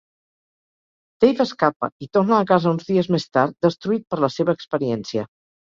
Dave escapa i torna a casa uns dies més tard, destruït per la seva experiència.